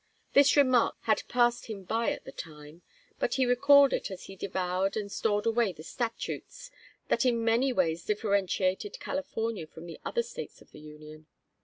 The remark had passed him by at the time, but he recalled it as he devoured and stored away the statutes that in many ways differentiated California from the other States of the Union.